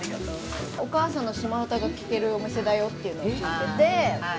お母さんの島唄が聴けるお店だよっていうのを聞いてて。